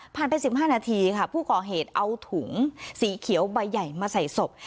ไป๑๕นาทีค่ะผู้ก่อเหตุเอาถุงสีเขียวใบใหญ่มาใส่ศพ